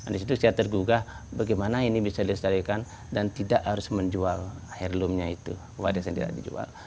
di situ saya tergugah bagaimana ini bisa dilestarikan dan tidak harus menjual airloomnya itu wadas yang tidak dijual